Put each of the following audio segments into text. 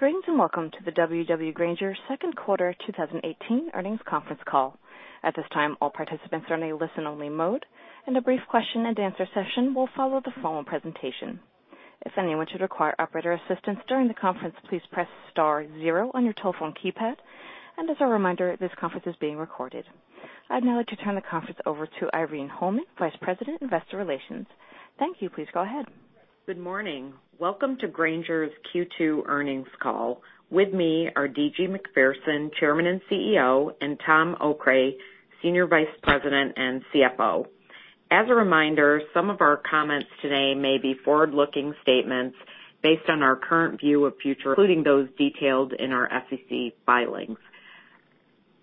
Greetings, and welcome to the W.W. Grainger second quarter 2018 earnings conference call. I'd now like to turn the conference over to Irene Holman, Vice President, Investor Relations, W.W. Grainger, Inc. Thank you. Please go ahead. Good morning. Welcome to Grainger's Q2 earnings call. With me are D.G. Macpherson, Chairman and CEO, and Tom Okray, Senior Vice President and CFO. As a reminder, some of our comments today may be forward-looking statements based on our current view of future, including those detailed in our SEC filings.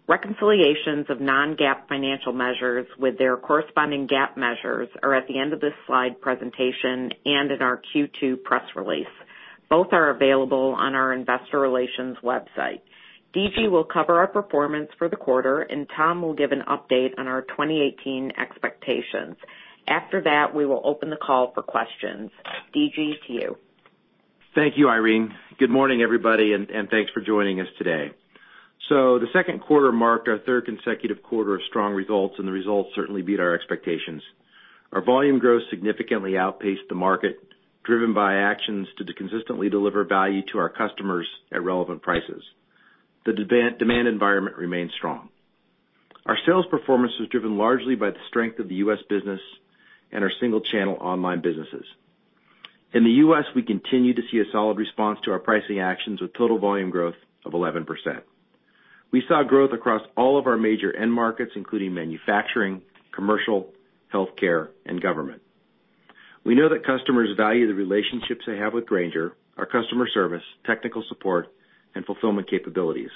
Reconciliations of non-GAAP financial measures with their corresponding GAAP measures are at the end of this slide presentation and in our Q2 press release. Both are available on our investor relations website. D.G. will cover our performance for the quarter, and Tom will give an update on our 2018 expectations. After that, we will open the call for questions. D.G., to you. Thank you, Irene. Good morning, everybody. Thanks for joining us today. The second quarter marked our third consecutive quarter of strong results. The results certainly beat our expectations. Our volume growth significantly outpaced the market, driven by actions to consistently deliver value to our customers at relevant prices. The demand environment remains strong. Our sales performance was driven largely by the strength of the U.S. business and our single channel online businesses. In the U.S., we continue to see a solid response to our pricing actions with total volume growth of 11%. We saw growth across all of our major end markets, including manufacturing, commercial, healthcare, and government. We know that customers value the relationships they have with Grainger, our customer service, technical support, and fulfillment capabilities.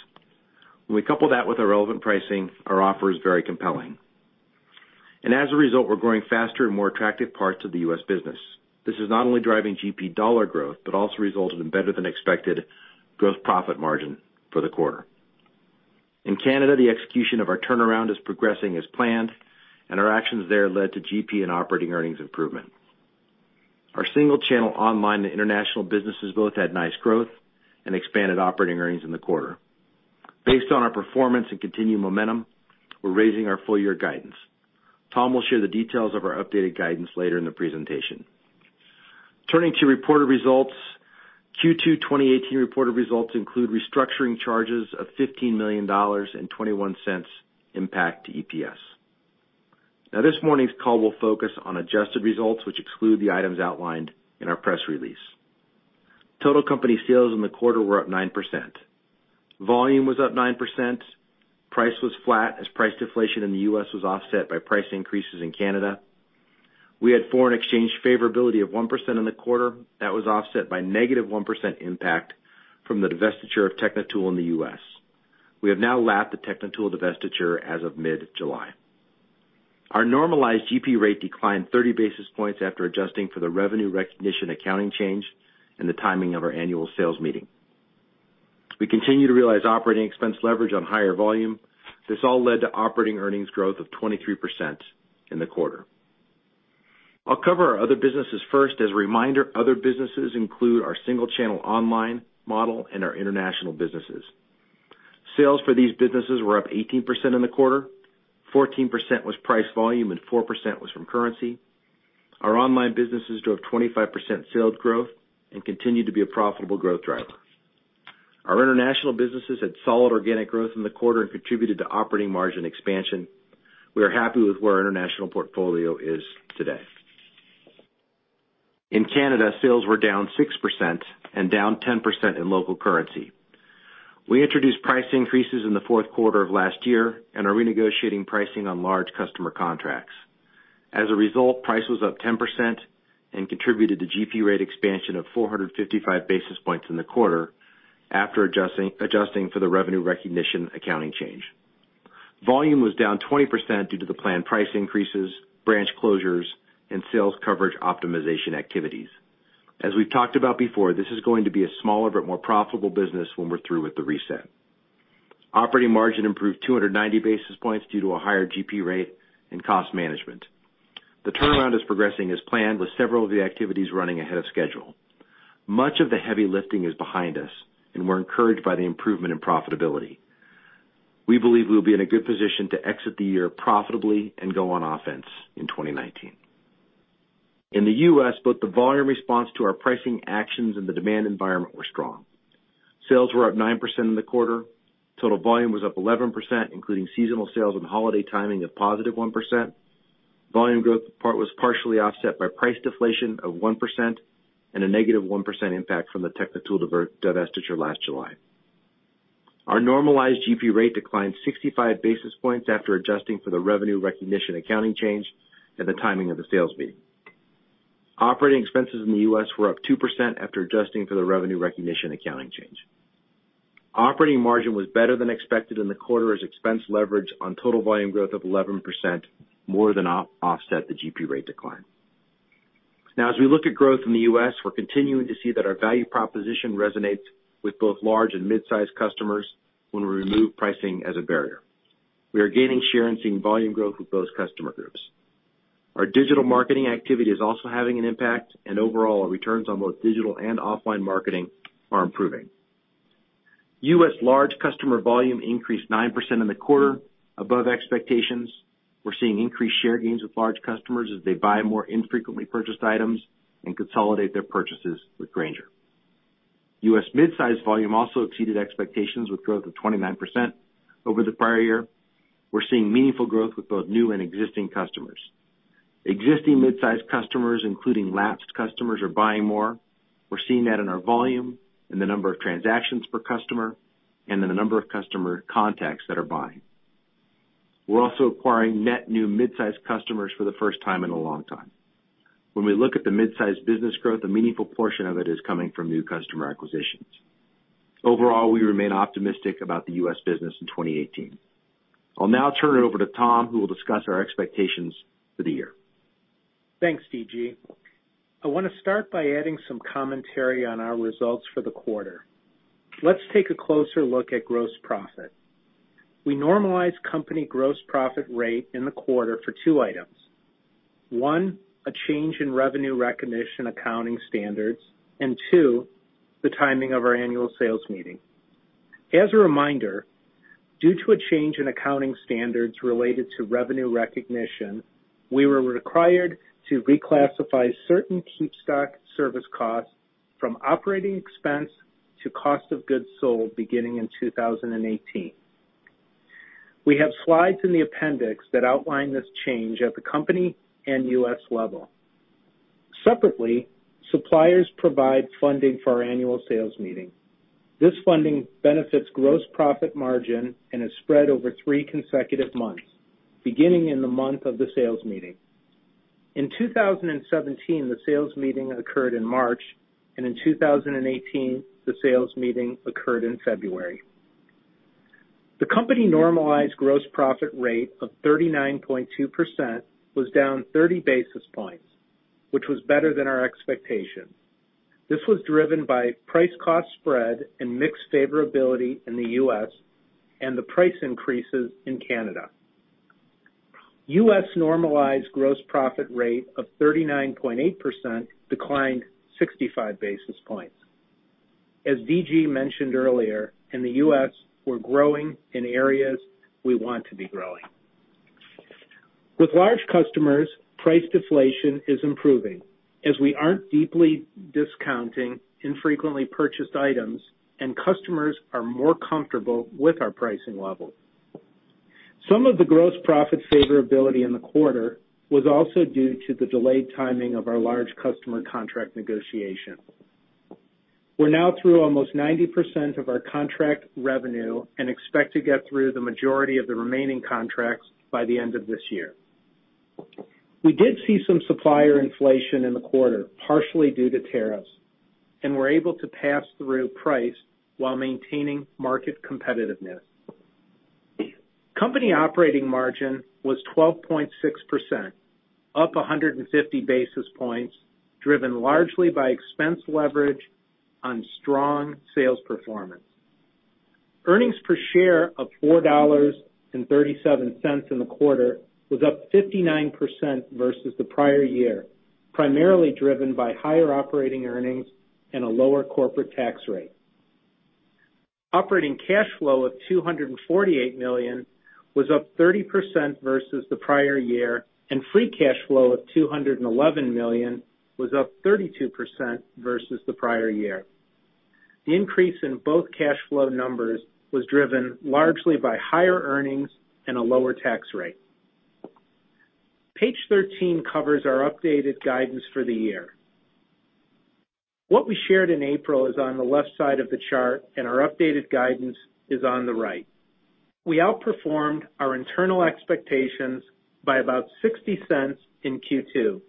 When we couple that with our relevant pricing, our offer is very compelling. As a result, we're growing faster in more attractive parts of the U.S. business. This is not only driving GP dollar growth, but also resulted in better than expected gross profit margin for the quarter. In Canada, the execution of our turnaround is progressing as planned, and our actions there led to GP and operating earnings improvement. Our single channel online and international businesses both had nice growth and expanded operating earnings in the quarter. Based on our performance and continued momentum, we're raising our full year guidance. Tom will share the details of our updated guidance later in the presentation. Turning to reported results. Q2 2018 reported results include restructuring charges of $15 million and $0.21 impact to EPS. This morning's call will focus on adjusted results, which exclude the items outlined in our press release. Total company sales in the quarter were up 9%. Volume was up 9%. Price was flat as price deflation in the U.S. was offset by price increases in Canada. We had foreign exchange favorability of 1% in the quarter that was offset by -1% impact from the divestiture of Techni-Tool in the U.S. We have now lapped the Techni-Tool divestiture as of mid-July. Our normalized GP rate declined 30 basis points after adjusting for the revenue recognition accounting change and the timing of our annual sales meeting. We continue to realize operating expense leverage on higher volume. This all led to operating earnings growth of 23% in the quarter. I'll cover our other businesses first. As a reminder, other businesses include our single channel online model and our international businesses. Sales for these businesses were up 18% in the quarter. 14% was price volume and 4% was from currency. Our online businesses drove 25% sales growth and continued to be a profitable growth driver. Our international businesses had solid organic growth in the quarter and contributed to operating margin expansion. We are happy with where our international portfolio is today. In Canada, sales were down 6% and down 10% in local currency. We introduced price increases in the fourth quarter of last year and are renegotiating pricing on large customer contracts. As a result, price was up 10% and contributed to GP rate expansion of 455 basis points in the quarter after adjusting for the revenue recognition accounting change. Volume was down 20% due to the planned price increases, branch closures, and sales coverage optimization activities. As we've talked about before, this is going to be a smaller but more profitable business when we're through with the reset. Operating margin improved 290 basis points due to a higher GP rate and cost management. The turnaround is progressing as planned with several of the activities running ahead of schedule. Much of the heavy lifting is behind us, and we're encouraged by the improvement in profitability. We believe we'll be in a good position to exit the year profitably and go on offense in 2019. In the U.S., both the volume response to our pricing actions and the demand environment were strong. Sales were up 9% in the quarter. Total volume was up 11%, including seasonal sales and holiday timing of positive 1%. Volume growth part was partially offset by price deflation of 1% and -1% impact from the Techni-Tool divestiture last July. Our normalized GP rate declined 65 basis points after adjusting for the revenue recognition accounting change and the timing of the sales fee. Operating expenses in the U.S. were up 2% after adjusting for the revenue recognition accounting change. Operating margin was better than expected in the quarter as expense leverage on total volume growth of 11% more than offset the GP rate decline. As we look at growth in the U.S., we're continuing to see that our value proposition resonates with both large and mid-sized customers when we remove pricing as a barrier. We are gaining share and seeing volume growth with both customer groups. Our digital marketing activity is also having an impact, and overall, our returns on both digital and offline marketing are improving. U.S. large customer volume increased 9% in the quarter above expectations. We're seeing increased share gains with large customers as they buy more infrequently purchased items and consolidate their purchases with Grainger. U.S. midsize volume also exceeded expectations, with growth of 29% over the prior year. We're seeing meaningful growth with both new and existing customers. Existing midsize customers, including lapsed customers, are buying more. We're seeing that in our volume, in the number of transactions per customer, and in the number of customer contacts that are buying. We're also acquiring net new midsize customers for the first time in a long time. When we look at the midsize business growth, a meaningful portion of it is coming from new customer acquisitions. Overall, we remain optimistic about the U.S. business in 2018. I'll now turn it over to Tom, who will discuss our expectations for the year. Thanks, D.G. I wanna start by adding some commentary on our results for the quarter. Let's take a closer look at gross profit. We normalize company gross profit rate in the quarter for two items. One, a change in revenue recognition accounting standards, and two, the timing of our annual sales meeting. As a reminder, due to a change in accounting standards related to revenue recognition, we were required to reclassify certain KeepStock service costs from operating expense to cost of goods sold beginning in 2018. We have slides in the appendix that outline this change at the company and U.S. level. Separately, suppliers provide funding for our annual sales meeting. This funding benefits gross profit margin and is spread over three consecutive months, beginning in the month of the sales meeting. In 2017, the sales meeting occurred in March. In 2018, the sales meeting occurred in February. The company normalized gross profit rate of 39.2% was down 30 basis points, which was better than our expectation. This was driven by price cost spread and mix favorability in the U.S. and the price increases in Canada. U.S. normalized gross profit rate of 39.8% declined 65 basis points. As D.G. mentioned earlier, in the U.S., we're growing in areas we want to be growing. With large customers, price deflation is improving as we aren't deeply discounting infrequently purchased items and customers are more comfortable with our pricing level. Some of the gross profit favorability in the quarter was also due to the delayed timing of our large customer contract negotiation. We're now through almost 90% of our contract revenue and expect to get through the majority of the remaining contracts by the end of this year. We did see some supplier inflation in the quarter, partially due to tariffs, and were able to pass through price while maintaining market competitiveness. Company operating margin was 12.6%, up 150 basis points, driven largely by expense leverage on strong sales performance. Earnings per share of $4.37 in the quarter was up 59% versus the prior year, primarily driven by higher operating earnings and a lower corporate tax rate. Operating cash flow of $248 million was up 30% versus the prior year, and free cash flow of $211 million was up 32% versus the prior year. The increase in both cash flow numbers was driven largely by higher earnings and a lower tax rate. Page 13 covers our updated guidance for the year. What we shared in April is on the left side of the chart, and our updated guidance is on the right. We outperformed our internal expectations by about $0.60 in Q2.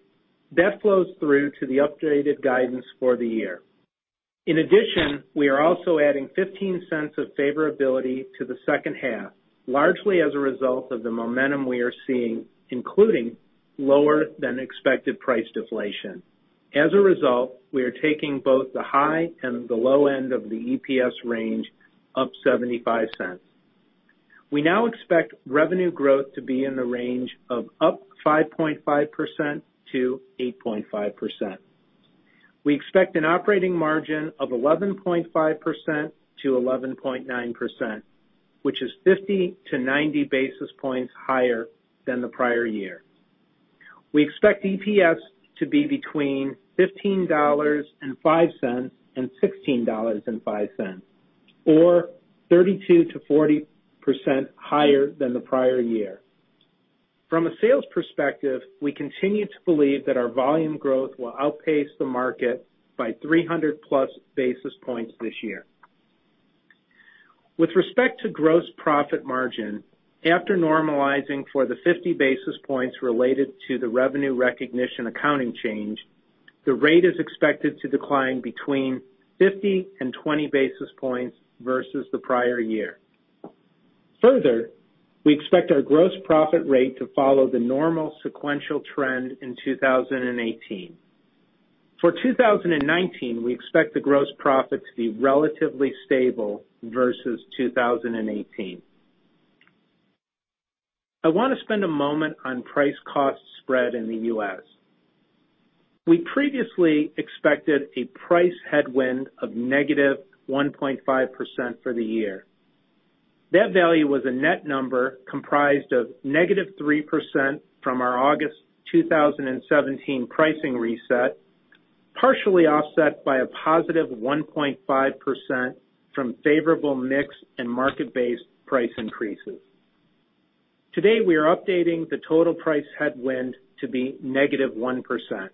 That flows through to the updated guidance for the year. In addition, we are also adding $0.15 of favorability to the second half, largely as a result of the momentum we are seeing, including lower than expected price deflation. As a result, we are taking both the high and the low end of the EPS range up $0.75. We now expect revenue growth to be in the range of up 5.5%-8.5%. We expect an operating margin of 11.5%-11.9%, which is 50-90 basis points higher than the prior year. We expect EPS to be between $15.05 and $16.05, or 32%-40% higher than the prior year. From a sales perspective, we continue to believe that our volume growth will outpace the market by 300+ basis points this year. With respect to gross profit margin, after normalizing for the 50 basis points related to the revenue recognition accounting change, the rate is expected to decline between 50 and 20 basis points versus the prior year. We expect our gross profit rate to follow the normal sequential trend in 2018. We expect the gross profit to be relatively stable versus 2018. I wanna spend a moment on price cost spread in the U.S. We previously expected a price headwind of -1.5% for the year. That value was a net number comprised of -3% from our August 2017 pricing reset, partially offset by a +1.5% from favorable mix and market-based price increases. Today, we are updating the total price headwind to be -1%.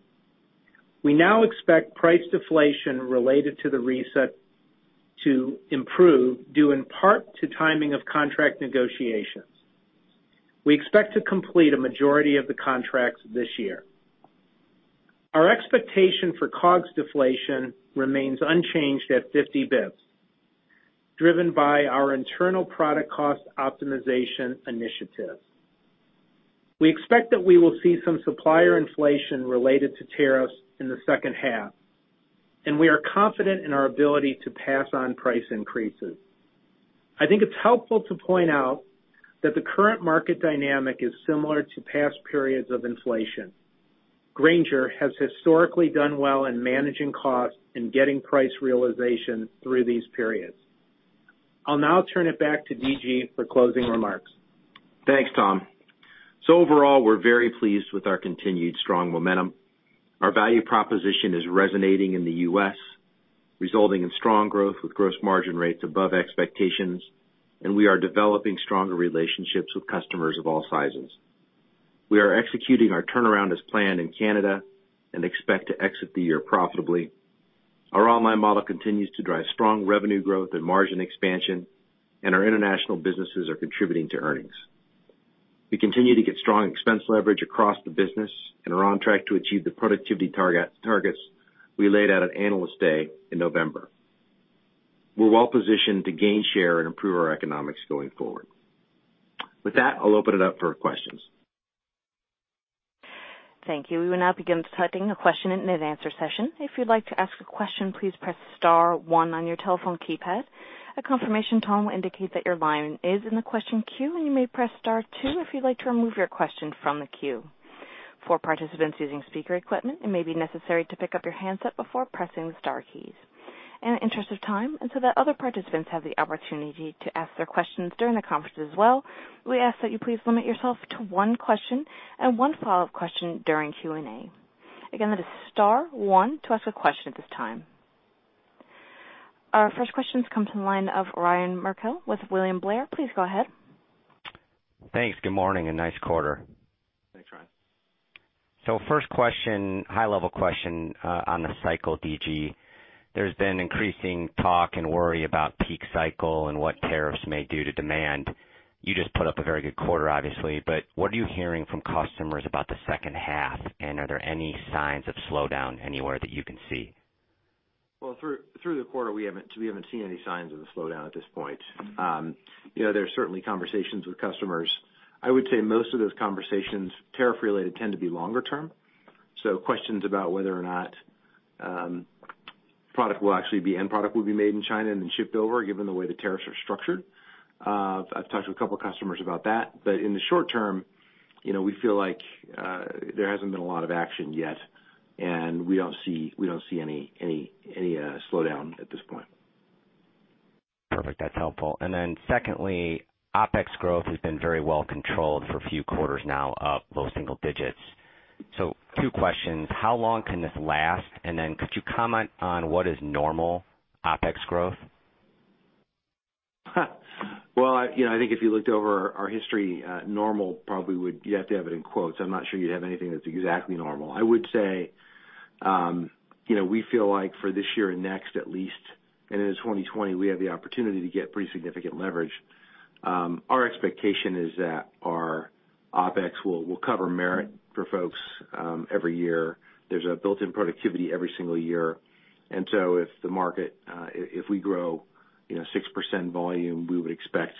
We now expect price deflation related to the reset to improve due in part to timing of contract negotiations. We expect to complete a majority of the contracts this year. Our expectation for COGS deflation remains unchanged at 50 basis points, driven by our internal product cost optimization initiative. We expect that we will see some supplier inflation related to tariffs in the second half, and we are confident in our ability to pass on price increases. I think it's helpful to point out that the current market dynamic is similar to past periods of inflation. Grainger has historically done well in managing costs and getting price realization through these periods. I'll now turn it back to D.G. for closing remarks. Thanks, Tom. Overall, we're very pleased with our continued strong momentum. Our value proposition is resonating in the U.S., resulting in strong growth with gross margin rates above expectations, and we are developing stronger relationships with customers of all sizes. We are executing our turnaround as planned in Canada and expect to exit the year profitably. Our online model continues to drive strong revenue growth and margin expansion, and our international businesses are contributing to earnings. We continue to get strong expense leverage across the business and are on track to achieve the productivity targets we laid out at Analyst Day in November. We're well-positioned to gain share and improve our economics going forward. With that, I'll open it up for questions. Thank you. We will now begin starting the question and answer session. If you'd like to ask a question, please press star one on your telephone keypad. A confirmation tone will indicate that your line is in the question queue, and you may press star two if you'd like to remove your question from the queue. For participants using speaker equipment, it may be necessary to pick up your handset before pressing the star keys. In the interest of time, and so that other participants have the opportunity to ask their questions during the conference as well, we ask that you please limit yourself to one question and one follow-up question during Q&A. Again, that is star one to ask a question at this time. Our first question comes from the line of Ryan Merkel with William Blair. Please go ahead. Thanks. Good morning, and nice quarter. Thanks, Ryan. First question, high-level question on the cycle, D.G. There's been increasing talk and worry about peak cycle and what tariffs may do to demand. You just put up a very good quarter, obviously, but what are you hearing from customers about the second half? Are there any signs of slowdown anywhere that you can see? Well, through the quarter, we haven't seen any signs of a slowdown at this point. You know, there's certainly conversations with customers. I would say most of those conversations, tariff related, tend to be longer term. Questions about whether or not product will actually be end product will be made in China and then shipped over, given the way the tariffs are structured. I've talked to a couple of customers about that. In the short term, you know, we feel like there hasn't been a lot of action yet, and we don't see any slowdown at this point. Perfect. That's helpful. Secondly, OpEx growth has been very well controlled for a few quarters now of low single digits. Two questions: How long can this last? Could you comment on what is normal OpEx growth? Well, you know, I think if you looked over our history, normal probably you'd have to have it in quotes. I'm not sure you'd have anything that's exactly normal. I would say, you know, we feel like for this year and next, at least, and into 2020, we have the opportunity to get pretty significant leverage. Our expectation is that our OpEx will cover merit for folks every year. There's a built-in productivity every single year. If the market, if we grow, you know, 6% volume, we would expect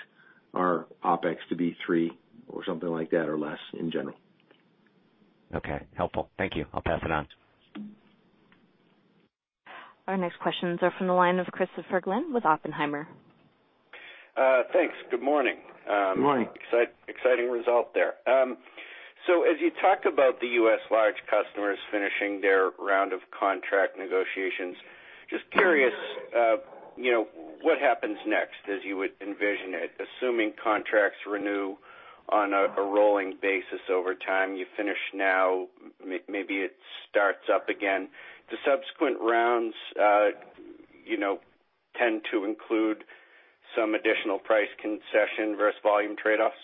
our OpEx to be three or something like that or less in general. Okay. Helpful. Thank you. I'll pass it on. Our next questions are from the line of Christopher Glynn with Oppenheimer. Thanks. Good morning. Good morning. Exciting result there. As you talk about the U.S. large customers finishing their round of contract negotiations, just curious, you know, what happens next as you would envision it? Assuming contracts renew on a rolling basis over time, you finish now, maybe it starts up again. Do subsequent rounds, you know, tend to include some additional price concession versus volume trade-offs?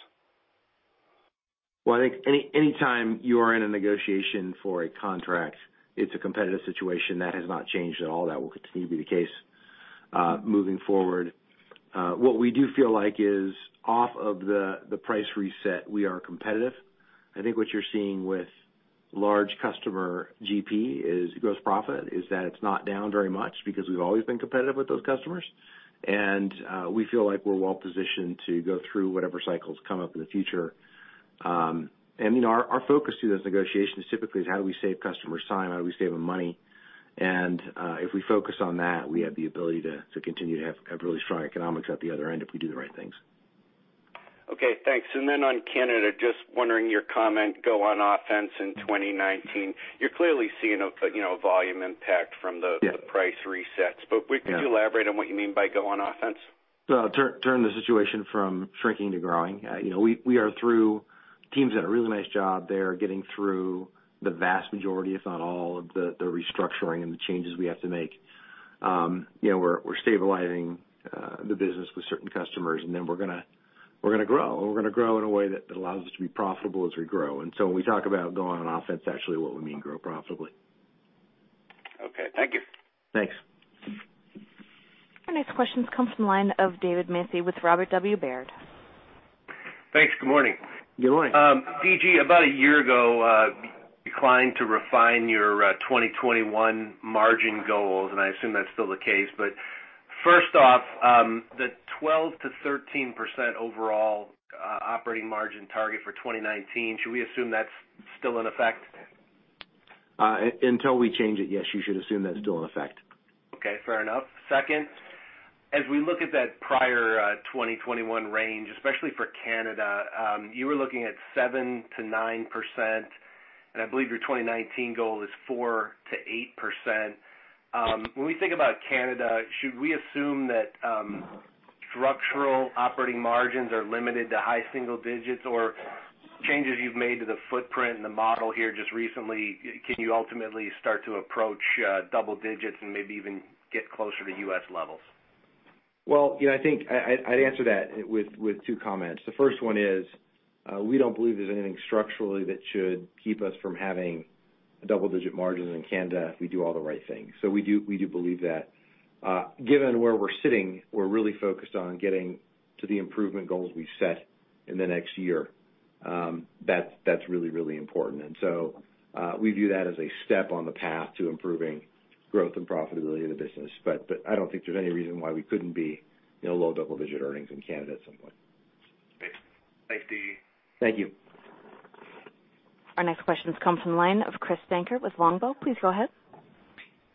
Well, I think any time you are in a negotiation for a contract, it's a competitive situation. That has not changed at all. That will continue to be the case moving forward. What we do feel like is off of the price reset, we are competitive. I think what you're seeing with large customer GP is gross profit, is that it's not down very much because we've always been competitive with those customers. We feel like we're well-positioned to go through whatever cycles come up in the future. You know, our focus through those negotiations typically is how do we save customers time, how do we save them money? If we focus on that, we have the ability to continue to have really strong economics at the other end if we do the right things. Okay, thanks. On Canada, just wondering your comment, go on offense in 2019. You're clearly seeing a, you know, a volume impact. Yeah the price resets. Yeah. Could you elaborate on what you mean by go on offense? Turn the situation from shrinking to growing. You know, we are through teams did a really nice job there, getting through the vast majority, if not all, of the restructuring and the changes we have to make. You know, we're stabilizing, the business with certain customers, and then we're gonna grow. We're gonna grow in a way that allows us to be profitable as we grow. When we talk about going on offense, actually what we mean grow profitably. Okay, thank you. Thanks. Our next question comes from the line of David Manthey with Robert W. Baird. Thanks. Good morning. Good morning. D.G., about a year ago, declined to refine your 2021 margin goals, and I assume that's still the case. First off, the 12%-13% overall operating margin target for 2019, should we assume that's still in effect? Until we change it, yes, you should assume that's still in effect. Okay, fair enough. Second, as we look at that prior 2021 range, especially for Canada, you were looking at 7%-9%, and I believe your 2019 goal is 4%-8%. When we think about Canada, should we assume that structural operating margins are limited to high single digits? Changes you've made to the footprint and the model here just recently, can you ultimately start to approach double digits and maybe even get closer to U.S. levels? Well, you know, I think I'd answer that with two comments. The first one is, we don't believe there's anything structurally that should keep us from having double-digit margins in Canada if we do all the right things. We do believe that. Given where we're sitting, we're really focused on getting to the improvement goals we've set in the next year. That's really important. We view that as a step on the path to improving growth and profitability of the business. I don't think there's any reason why we couldn't be, you know, low double-digit earnings in Canada at some point. Great. Thanks, D.G. Thank you. Our next question comes from the line of Chris Dankert with Longbow. Please go ahead.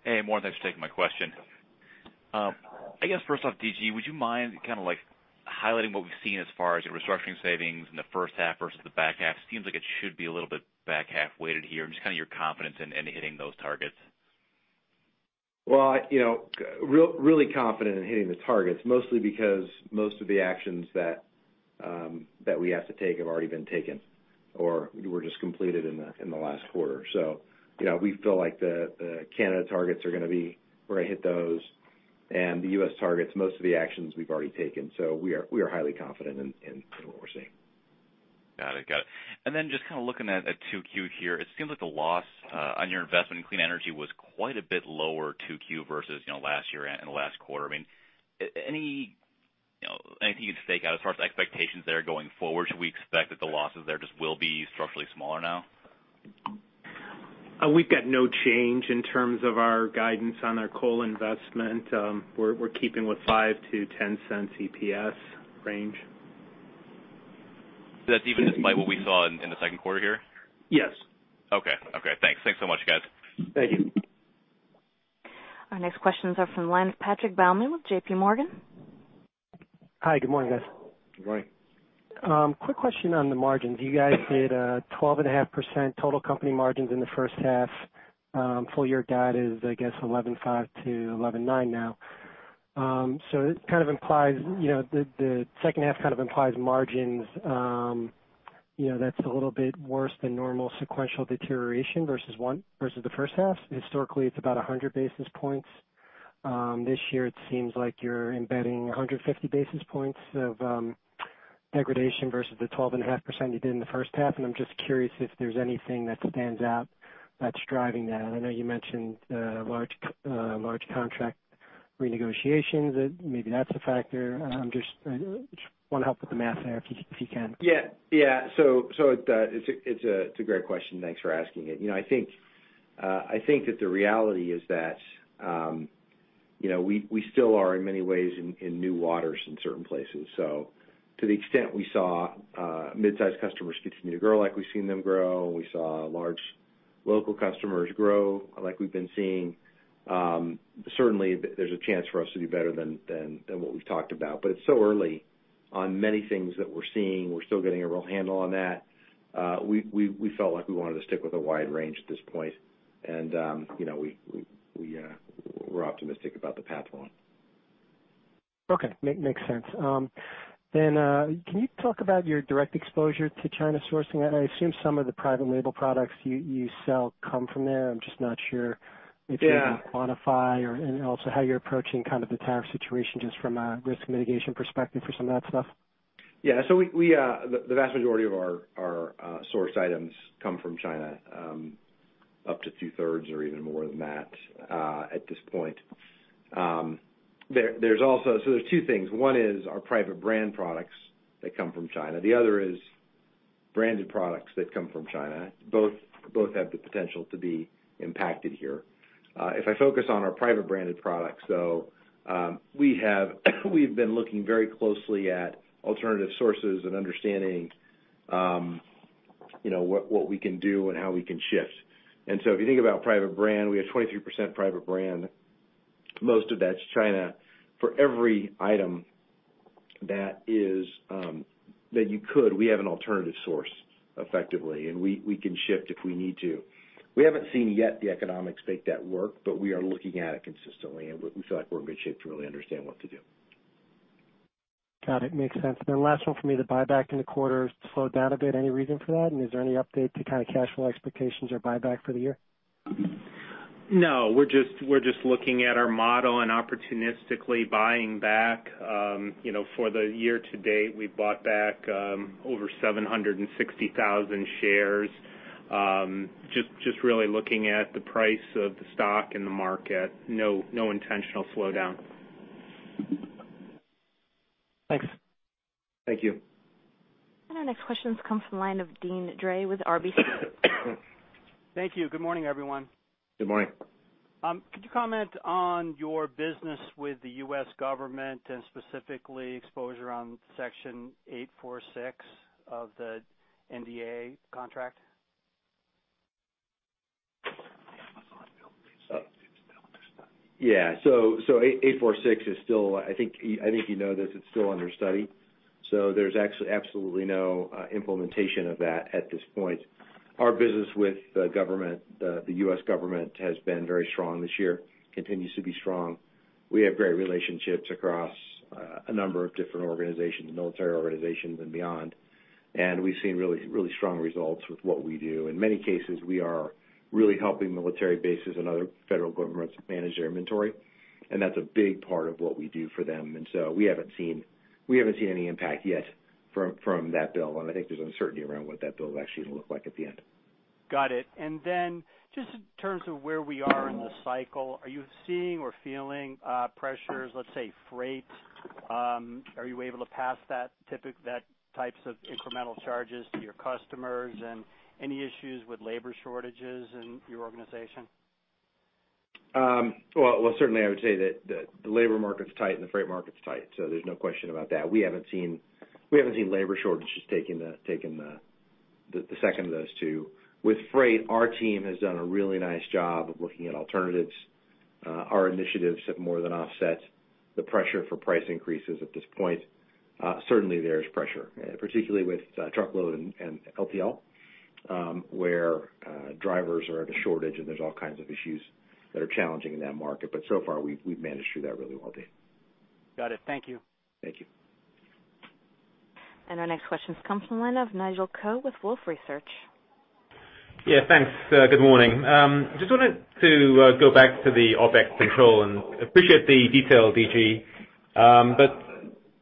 Hey, morning. Thanks for taking my question. I guess first off, D.G., would you mind kind of like highlighting what we've seen as far as your restructuring savings in the first half versus the back half? Seems like it should be a little bit back half weighted here, and just kind of your confidence in hitting those targets. Well, I, you know, really confident in hitting the targets, mostly because most of the actions that we have to take have already been taken or were just completed in the last quarter. You know, we feel like the Canada targets, we're gonna hit those. The U.S. targets, most of the actions we've already taken. We are highly confident in what we're seeing. Got it. Just kind of looking at 2Q here, it seems like the loss on your investment in clean energy was quite a bit lower 2Q versus, you know, last year and the last quarter. I mean, any, you know, anything you'd stake out as far as expectations there going forward? Should we expect that the losses there just will be structurally smaller now? We've got no change in terms of our guidance on our clean energy investments. We're keeping with $0.05-$0.10 EPS range. That's even despite what we saw in the second quarter here? Yes. Okay. Okay, thanks. Thanks so much, guys. Thank you. Our next questions are from the line of Patrick Baumann with JPMorgan. Hi, good morning, guys. Good morning. Quick question on the margins. You guys did 12.5% total company margins in the first half. Full year guide is, I guess, 11.5%-11.9% now. It kind of implies, you know, the second half kind of implies margins, you know, that's a little bit worse than normal sequential deterioration versus the first half. Historically, it's about 100 basis points. This year, it seems like you're embedding 150 basis points of degradation versus the 12.5% you did in the first half. I'm just curious if there's anything that stands out that's driving that. I know you mentioned large contract renegotiations. Maybe that's a factor. I'm just wanna help with the math there if you, if you can. Yeah. Yeah. It's a great question. Thanks for asking it. You know, I think that the reality is that, you know, we still are in many ways in new waters in certain places. To the extent we saw midsize customers continue to grow like we've seen them grow, and we saw large local customers grow like we've been seeing, certainly there's a chance for us to do better than what we've talked about. It's so early on many things that we're seeing. We're still getting a real handle on that. We felt like we wanted to stick with a wide range at this point. You know, we're optimistic about the path going. Okay. Makes sense. Can you talk about your direct exposure to China sourcing? I assume some of the private label products you sell come from there. I'm just not sure. Yeah you can quantify or, and also how you're approaching kind of the tariff situation just from a risk mitigation perspective for some of that stuff? Yeah. We, the vast majority of our source items come from China, up to two-thirds or even more than that, at this point. There's two things. 1 is our private brand products that come from China. The other is branded products that come from China. Both have the potential to be impacted here. If I focus on our private branded products, though, we've been looking very closely at alternative sources and understanding, you know, what we can do and how we can shift. If you think about private brand, we have 23% private brand. Most of that's China. For every item that you could, we have an alternative source effectively, and we can shift if we need to. We haven't seen yet the economics make that work, but we are looking at it consistently, and we feel like we're in good shape to really understand what to do. Got it. Makes sense. Last one for me, the buyback in the quarter slowed down a bit. Any reason for that? And is there any update to kind of cash flow expectations or buyback for the year? No. We're just looking at our model and opportunistically buying back. you know, for the year to date, we bought back over 760,000 shares. just really looking at the price of the stock and the market. No intentional slowdown. Thanks. Thank you. Our next question comes from the line of Deane Dray with RBC. Thank you. Good morning, everyone. Good morning. Could you comment on your business with the U.S. government and specifically exposure on Section 846 of the NDA contract? Yeah. So Section 846 is still, I think you know this, it's still under study. Absolutely no implementation of that at this point. Our business with the U.S. government has been very strong this year, continues to be strong. We have great relationships across a number of different organizations, military organizations and beyond, and we've seen really strong results with what we do. In many cases, we are really helping military bases and other federal governments manage their inventory, and that's a big part of what we do for them. We haven't seen any impact yet from that bill, and I think there's uncertainty around what that bill is actually gonna look like at the end. Got it. Just in terms of where we are in the cycle, are you seeing or feeling pressures, let's say, freight? Are you able to pass that types of incremental charges to your customers? Any issues with labor shortages in your organization? Well, certainly I would say that the labor market's tight and the freight market's tight. There's no question about that. We haven't seen labor shortages taking the second of those two. With freight, our team has done a really nice job of looking at alternatives. Our initiatives have more than offset the pressure for price increases at this point. Certainly there is pressure, particularly with truckload and LTL, where drivers are at a shortage and there's all kinds of issues that are challenging in that market. So far, we've managed through that really well, Deane. Got it. Thank you. Thank you. Our next question comes from the line of Nigel Coe with Wolfe Research. Yeah, thanks. Good morning. Just wanted to go back to the OpEx control and appreciate the detail, D.G..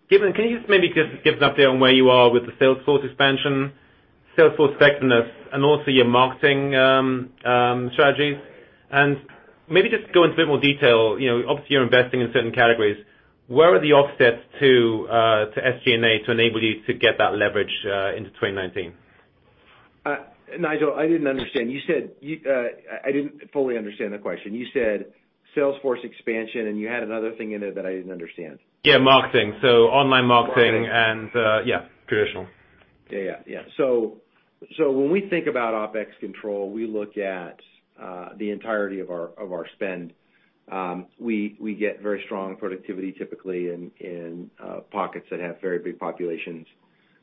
Given, can you just maybe give us an update on where you are with the sales force expansion, sales force effectiveness, and also your marketing strategies? Maybe just go into a bit more detail. You know, obviously you're investing in certain categories. Where are the offsets to SG&A to enable you to get that leverage into 2019? Nigel, I didn't understand. You said you, I didn't fully understand the question. You said sales force expansion, and you had another thing in there that I didn't understand. Yeah, marketing. Online marketing and yeah, traditional. Yeah. Yeah. When we think about OpEx control, we look at the entirety of our spend. We get very strong productivity typically in pockets that have very big populations.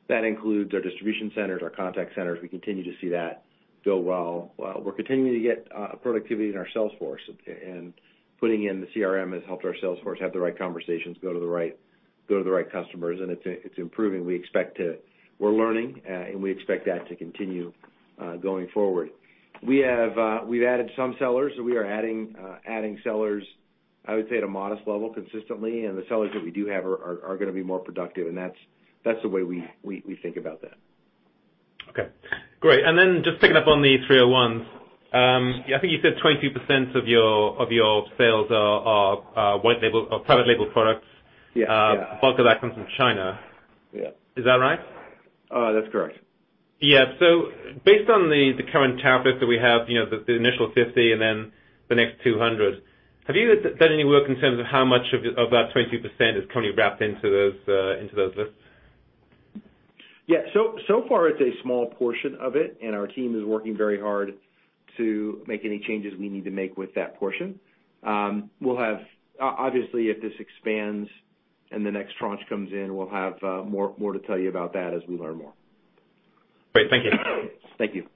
That includes our distribution centers, our contact centers. We continue to see that go well. We're continuing to get productivity in our sales force. Putting in the CRM has helped our sales force have the right conversations, go to the right customers, and it's improving. We're learning, and we expect that to continue going forward. We have we've added some sellers. We are adding sellers, I would say, at a modest level consistently. The sellers that we do have are gonna be more productive. That's the way we think about that. Okay, great. Just picking up on the 301s, I think you said 22% of your sales are white label or private label products. Yeah. Yeah. A bulk of that comes from China. Yeah. Is that right? That's correct. Yeah. Based on the current tariffs that we have, you know, the initial 50 and then the next 200, have you done any work in terms of how much of that 22% is currently wrapped into those into those lists? So far it's a small portion of it, and our team is working very hard to make any changes we need to make with that portion. We'll have obviously, if this expands and the next tranche comes in, we'll have more to tell you about that as we learn more. Great. Thank you. Thank you.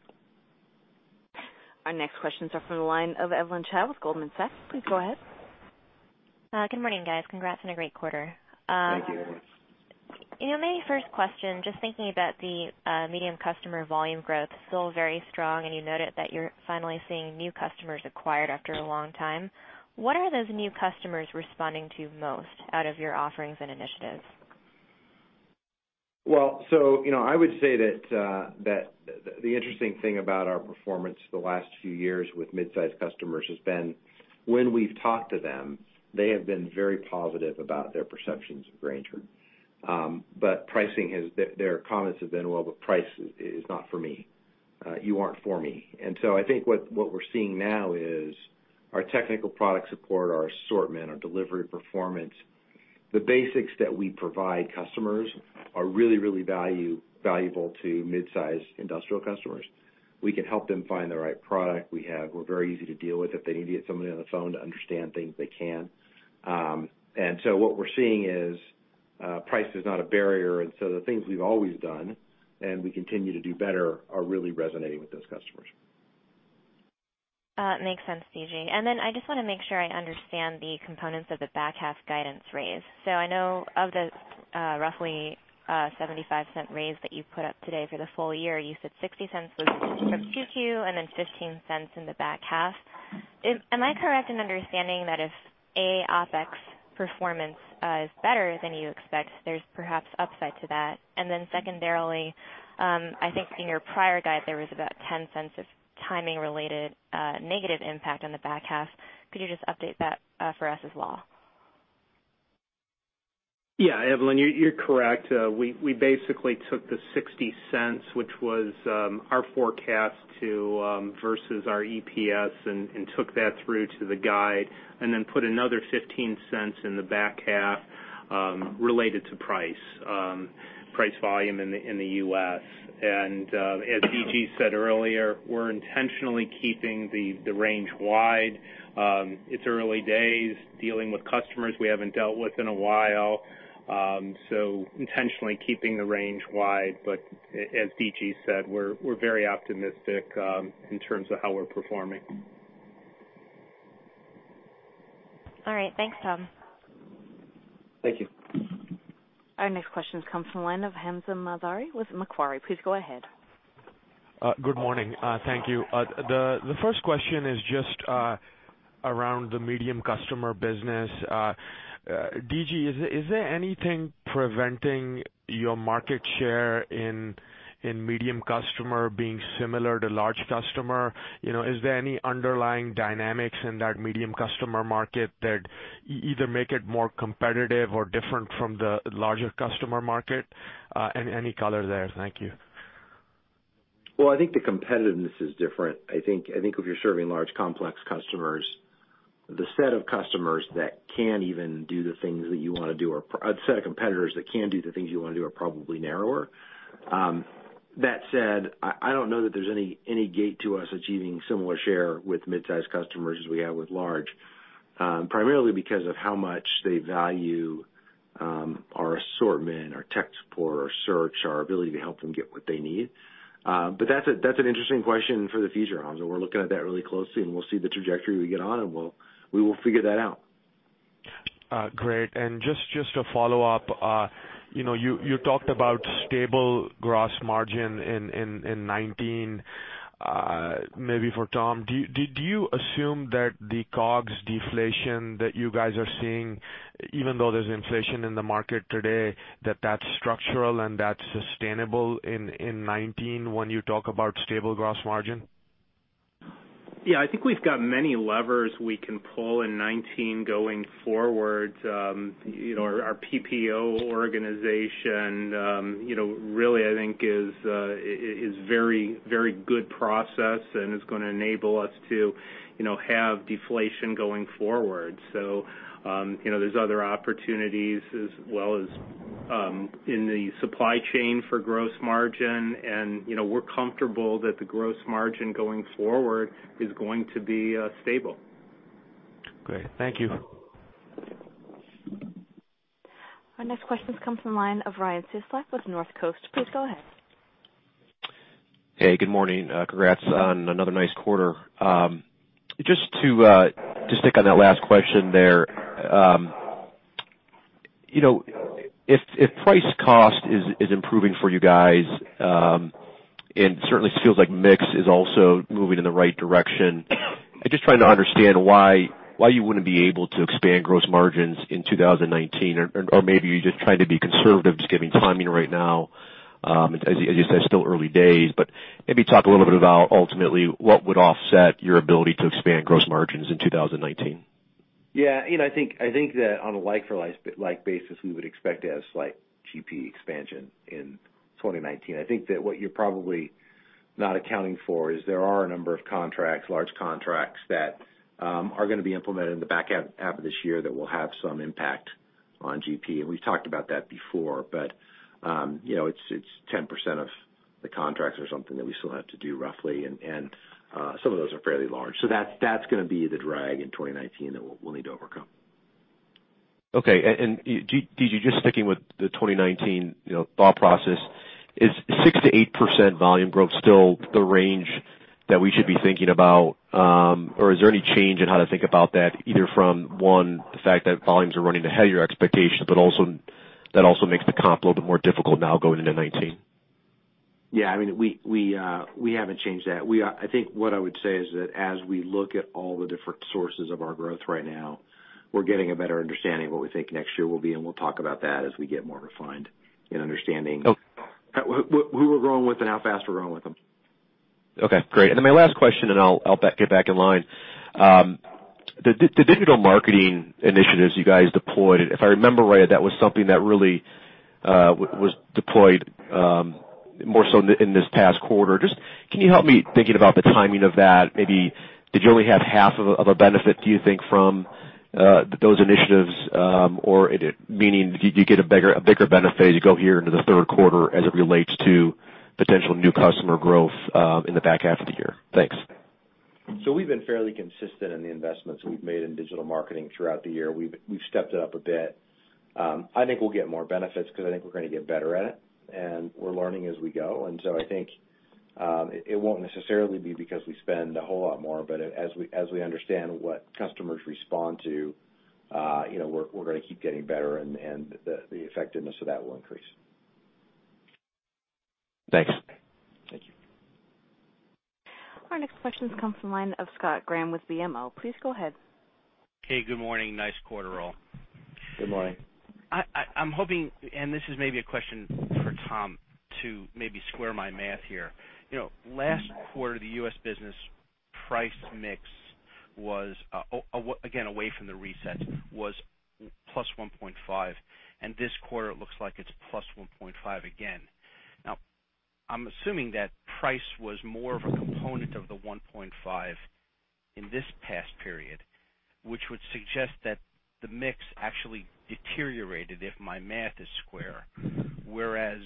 Our next questions are from the line of Evelyn Chow with Goldman Sachs. Please go ahead. Good morning, guys. Congrats on a great quarter. Thank you. You know, maybe first question, just thinking about the medium customer volume growth, still very strong, and you noted that you're finally seeing new customers acquired after a long time. What are those new customers responding to most out of your offerings and initiatives? You know, I would say that the interesting thing about our performance the last few years with mid-sized customers has been when we've talked to them, they have been very positive about their perceptions of Grainger. Their comments have been, "Price is not for me. You aren't for me." I think what we're seeing now is our technical product support, our assortment, our delivery performance The basics that we provide customers are really value-valuable to mid-size industrial customers. We can help them find the right product we have. We're very easy to deal with. If they need to get somebody on the phone to understand things, they can. What we're seeing is price is not a barrier. The things we've always done and we continue to do better are really resonating with those customers. Makes sense, D.G. I just wanna make sure I understand the components of the back half guidance raise. I know of the roughly $0.75 raise that you put up today for the full year, you said $0.60 was from Q2 and then $0.15 in the back half. Am I correct in understanding that if, A, OPEX performance is better than you expect, there's perhaps upside to that? Secondarily, I think in your prior guide, there was about $0.10 of timing-related negative impact on the back half. Could you just update that for us as well? Evelyn, you're correct. We basically took the $0.60, which was our forecast to versus our EPS and took that through to the guide and then put another $0.15 in the back half related to price volume in the U.S. As D.G. said earlier, we're intentionally keeping the range wide. It's early days dealing with customers we haven't dealt with in a while, so intentionally keeping the range wide. As D.G. said, we're very optimistic in terms of how we're performing. All right. Thanks, Tom. Thank you. Our next question comes from the line of Hamzah Mazari with Macquarie. Please go ahead. Good morning. Thank you. The first question is just around the medium customer business. D.G. is there anything preventing your market share in medium customer being similar to large customer? You know, is there any underlying dynamics in that medium customer market that either make it more competitive or different from the larger customer market? And any color there. Thank you. Well, I think the competitiveness is different. I think if you're serving large, complex customers, the set of competitors that can do the things you wanna do are probably narrower. That said, I don't know that there's any gate to us achieving similar share with mid-size customers as we have with large, primarily because of how much they value our assortment, our tech support, our search, our ability to help them get what they need. That's an interesting question for the future, Hamzah. We're looking at that really closely, and we'll see the trajectory we get on, and we will figure that out. Great. Just to follow up, you know, you talked about stable gross margin in 2019. Maybe for Tom, do you assume that the COGS deflation that you guys are seeing, even though there's inflation in the market today, that that's structural and that's sustainable in 2019 when you talk about stable gross margin? Yeah. I think we've got many levers we can pull in '19 going forward. You know, our PPO organization, you know, really, I think is a very good process and is gonna enable us to, you know, have deflation going forward. You know, there's other opportunities as well as in the supply chain for gross margin and, you know, we're comfortable that the gross margin going forward is going to be stable. Great. Thank you. Our next question comes from the line of Ryan Cieslak with North Coast. Please go ahead. Hey, good morning. Congrats on another nice quarter. Just to pick on that last question there. You know, if price cost is improving for you guys, and certainly it feels like mix is also moving in the right direction, I'm just trying to understand why you wouldn't be able to expand gross margins in 2019, or maybe you're just trying to be conservative just giving timing right now. As you said, still early days, but maybe talk a little bit about ultimately what would offset your ability to expand gross margins in 2019. Yeah. You know, I think that on a like for like basis, we would expect to have slight GP expansion in 2019. I think that what you're probably not accounting for is there are a number of contracts, large contracts that are gonna be implemented in the back half of this year that will have some impact on GP. We've talked about that before, but, you know, it's 10% of the contracts or something that we still have to do roughly. Some of those are fairly large. That's gonna be the drag in 2019 that we'll need to overcome. Okay. D.G. just sticking with the 2019, you know, thought process, is 6%-8% volume growth still the range that we should be thinking about? or is there any change in how to think about that, either from, one, the fact that volumes are running ahead of your expectations, but also-- that also makes the comp a little bit more difficult now going into 2019? Yeah. I mean, we haven't changed that. We, I think what I would say is that as we look at all the different sources of our growth right now, we're getting a better understanding of what we think next year will be, we'll talk about that as we get more refined in understanding- Okay. Who we're growing with and how fast we're growing with them. Okay, great. My last question, I'll get back in line. The digital marketing initiatives you guys deployed, if I remember right, that was something that was deployed more so in this past quarter. Can you help me, thinking about the timing of that, maybe did you only have half of a benefit, do you think, from those initiatives? Meaning did you get a bigger benefit as you go here into the third quarter as it relates to potential new customer growth in the back half of the year? Thanks. We've been fairly consistent in the investments we've made in digital marketing throughout the year. We've stepped it up a bit. I think we'll get more benefits because I think we're gonna get better at it, and we're learning as we go. I think it won't necessarily be because we spend a whole lot more, but as we understand what customers respond to, you know, we're gonna keep getting better and the effectiveness of that will increase. Thanks. Thank you. Our next question comes from the line of Scott Graham with BMO. Please go ahead. Hey, good morning. Nice quarter roll. Good morning. I'm hoping, and this is maybe a question for Tom to maybe square my math here. You know, last quarter, the U.S. business price mix was, again, away from the reset, was +1.5%, and this quarter it looks like it's +1.5% again. Now, I'm assuming that price was more of a component of the 1.5% in this past period, which would suggest that the mix actually deteriorated, if my math is square. Whereas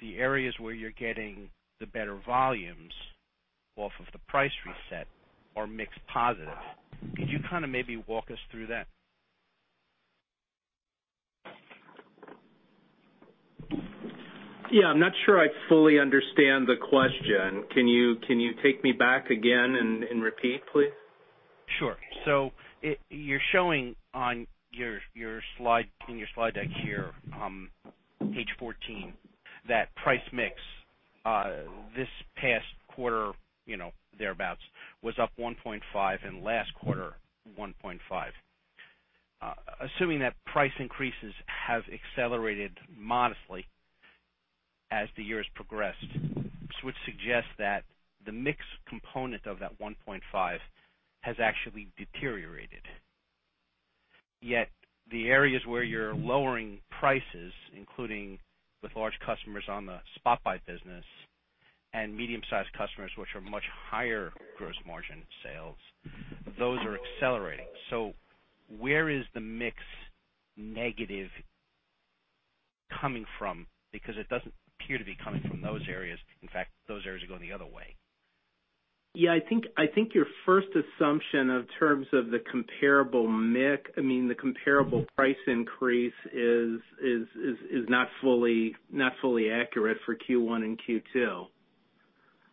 the areas where you're getting the better volumes off of the price reset are mix positive. Could you kind of maybe walk us through that? Yeah, I'm not sure I fully understand the question. Can you take me back again and repeat, please? Sure. You're showing on your slide, in your slide deck here, page 14, that price mix this past quarter, you know, thereabouts, was up 1.5, and last quarter, 1.5. Assuming that price increases have accelerated modestly as the years progressed, which suggests that the mix component of that 1.5 has actually deteriorated. Yet the areas where you're lowering prices, including with large customers on the spot buy business and medium-sized customers, which are much higher gross margin sales, those are accelerating. Where is the mix negative coming from? Because it doesn't appear to be coming from those areas. In fact, those areas are going the other way. Yeah, I think your first assumption of terms of the comparable mix, I mean, the comparable price increase is not fully accurate for Q1 and Q2.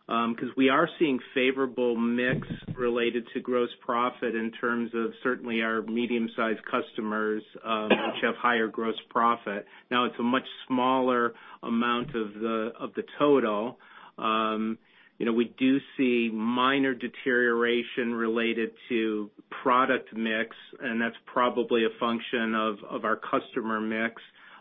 'Cause we are seeing favorable mix related to gross profit in terms of certainly our medium-sized customers, which have higher gross profit. Now, it's a much smaller amount of the total. You know, we do see minor deterioration related to product mix. That's probably a function of our customer mix.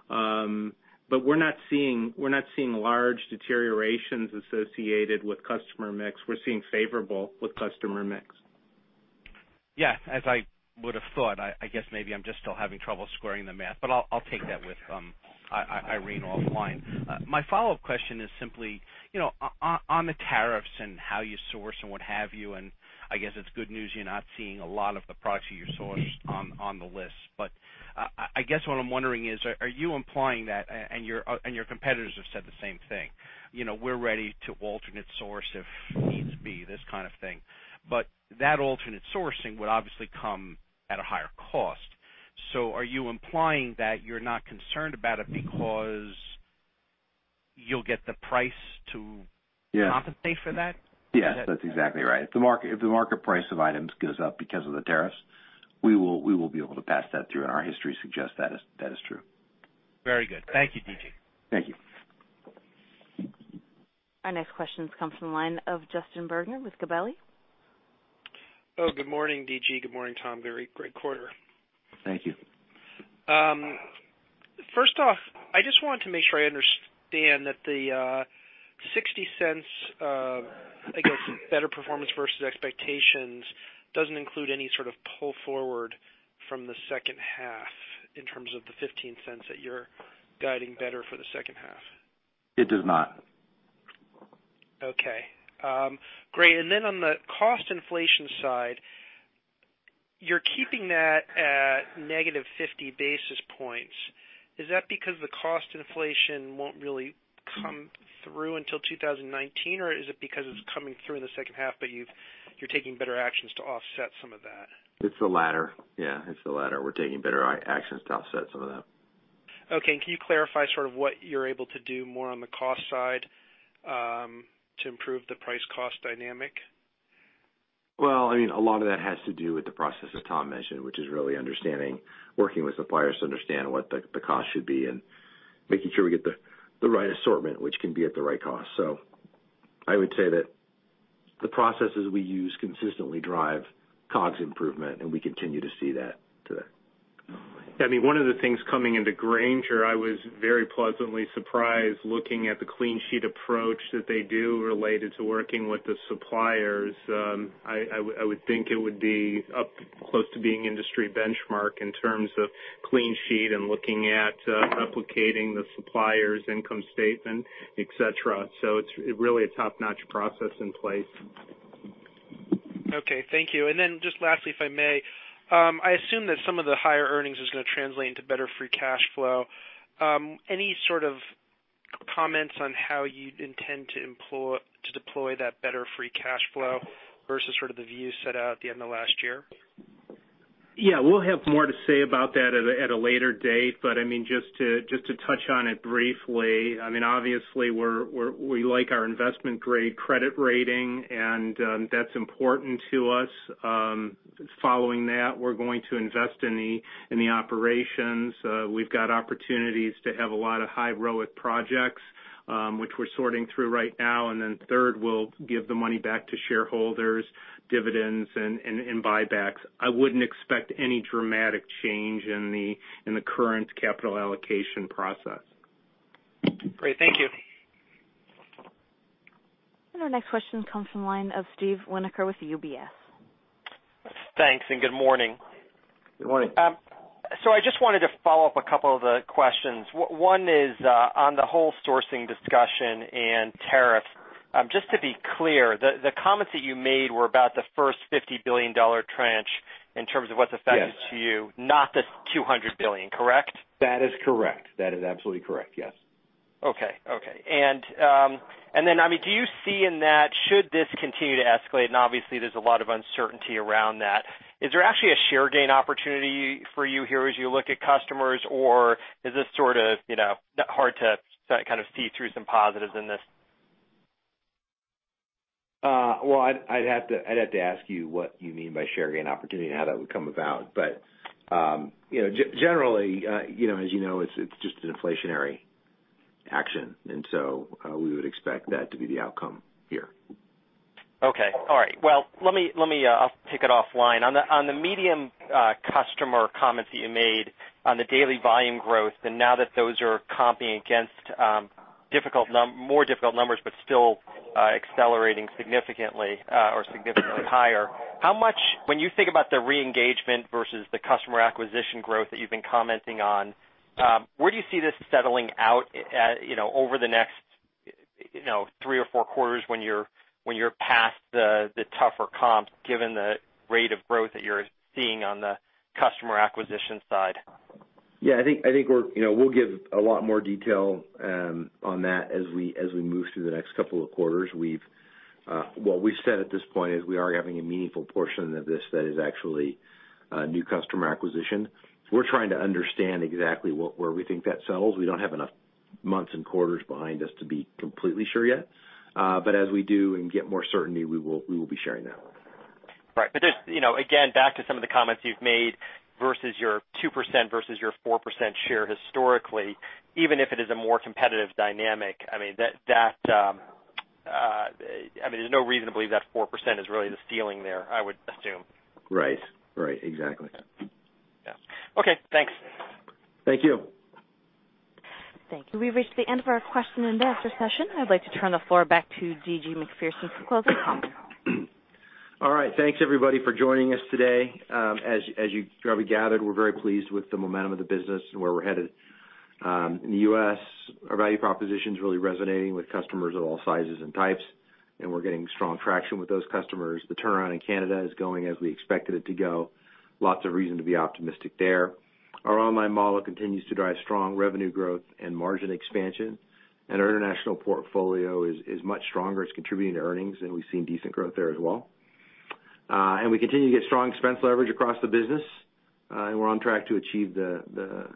We're not seeing large deteriorations associated with customer mix. We're seeing favorable with customer mix. Yeah, as I would have thought. I guess maybe I'm just still having trouble squaring the math, but I'll take that with Irene offline. My follow-up question is simply, you know, on the tariffs and how you source and what have you, and I guess it's good news you're not seeing a lot of the products that you sourced on the list. I guess what I'm wondering is, are you implying that, and your competitors have said the same thing, you know, we're ready to alternate source if needs be, this kind of thing. That alternate sourcing would obviously come at a higher cost. Are you implying that you're not concerned about it because you'll get the price to? Yeah. -compensate for that? Yes, that's exactly right. If the market price of items goes up because of the tariffs, we will be able to pass that through. Our history suggests that is true. Very good. Thank you, D.G. Thank you. Our next question comes from the line of Justin Bergner with Gabelli. Good morning, D.G. Good morning, Tom. Very great quarter. Thank you. First off, I just want to make sure I understand that the $0.60, I guess better performance versus expectations doesn't include any sort of pull forward from the second half in terms of the $0.15 that you're guiding better for the second half. It does not. Okay. Great. Then on the cost inflation side, you're keeping that at -50 basis points. Is that because the cost inflation won't really come through until 2019, or is it because it's coming through in the second half, but you're taking better actions to offset some of that? It's the latter. Yeah, it's the latter. We're taking better actions to offset some of that. Okay, can you clarify sort of what you're able to do more on the cost side to improve the price cost dynamic? Well, I mean, a lot of that has to do with the process that Tom mentioned, which is really understanding, working with suppliers to understand what the cost should be and making sure we get the right assortment, which can be at the right cost. The processes we use consistently drive COGS improvement, and we continue to see that today. I mean, one of the things coming into Grainger, I was very pleasantly surprised looking at the clean sheet approach that they do related to working with the suppliers. I would think it would be up close to being industry benchmark in terms of clean sheet and looking at replicating the supplier's income statement, et cetera. It's really a top-notch process in place. Okay. Thank you. Just lastly, if I may, I assume that some of the higher earnings is gonna translate into better free cash flow. Any sort of comments on how you intend to deploy that better free cash flow versus sort of the view set out at the end of last year? Yeah, we'll have more to say about that at a later date. I mean, just to touch on it briefly, I mean, obviously we like our investment grade credit rating, and that's important to us. Following that, we're going to invest in the operations. We've got opportunities to have a lot of high ROIC projects, which we're sorting through right now. Third, we'll give the money back to shareholders, dividends and buybacks. I wouldn't expect any dramatic change in the current capital allocation process. Great. Thank you. Our next question comes from the line of Steve Winoker with UBS. Thanks, good morning. Good morning. I just wanted to follow up a couple of the questions. One is on the whole sourcing discussion and tariff. Just to be clear, the comments that you made were about the first $50 billion tranche in terms of what's affected? Yes. -to you, not the $200 billion, correct? That is correct. That is absolutely correct, yes. Okay. Okay. I mean, do you see in that should this continue to escalate, and obviously there's a lot of uncertainty around that, is there actually a share gain opportunity for you here as you look at customers, or is this sort of, you know, hard to kind of see through some positives in this? Well, I'd have to ask you what you mean by share gain opportunity and how that would come about. You know, generally, you know, as you know, it's just an inflationary action. We would expect that to be the outcome here. Okay. All right. Well, let me, let me, I'll take it offline. On the medium customer comments that you made on the daily volume growth, now that those are comping against difficult more difficult numbers, but still, accelerating significantly, or significantly higher, how much when you think about the re-engagement versus the customer acquisition growth that you've been commenting on, where do you see this settling out at, you know, over the next, you know, three or four quarters when you're past the tougher comps, given the rate of growth that you're seeing on the customer acquisition side? I think we're, you know, we'll give a lot more detail on that as we, as we move through the next couple of quarters. We've what we've said at this point is we are having a meaningful portion of this that is actually new customer acquisition. We're trying to understand exactly where we think that settles. We don't have enough months and quarters behind us to be completely sure yet. As we do and get more certainty, we will be sharing that. Right. There's, you know, again, back to some of the comments you've made versus your 2% versus your 4% share historically, even if it is a more competitive dynamic, I mean, that, I mean, there's no reason to believe that 4% is really the ceiling there, I would assume. Right. Right. Exactly. Yeah. Okay, thanks. Thank you. Thank you. We've reached the end of our question and answer session. I'd like to turn the floor back to D.G. Macpherson for closing comments. All right. Thanks everybody for joining us today. As you probably gathered, we're very pleased with the momentum of the business and where we're headed. In the U.S., our value proposition's really resonating with customers of all sizes and types, and we're getting strong traction with those customers. The turnaround in Canada is going as we expected it to go. Lots of reason to be optimistic there. Our online model continues to drive strong revenue growth and margin expansion. Our international portfolio is much stronger. It's contributing to earnings. We've seen decent growth there as well. We continue to get strong expense leverage across the business, and we're on track to achieve the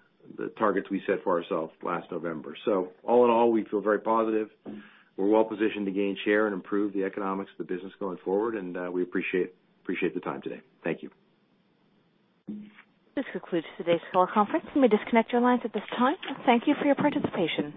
targets we set for ourselves last November. All in all, we feel very positive. We're well positioned to gain share and improve the economics of the business going forward, and, we appreciate the time today. Thank you. This concludes today's call conference. You may disconnect your lines at this time. Thank you for your participation.